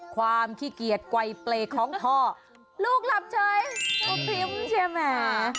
ขี้เกียจไกลเปลของพ่อลูกหลับเฉยก็พริ้มใช่ไหม